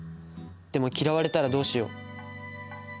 でも嫌われたらどうしよう」。